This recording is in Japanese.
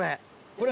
これ。